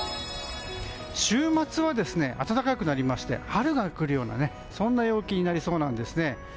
週末は暖かくなりまして春が来るような陽気になりそうなんです。